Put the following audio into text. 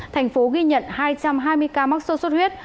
thành phố ghi nhận hai trăm hai mươi ca mắc sốt xuất huyết